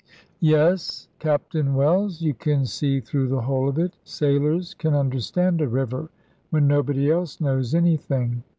"Yes, Captain Wells, you can see through the whole of it. Sailors can understand a river, when nobody else knows anything.